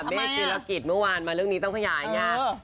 เมฆเจียรกิจเมื่อวานมาเรื่องนี้ต้องพยายามอย่างนี้